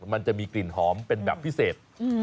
มันจะมีกลิ่นหอมเป็นแบบพิเศษ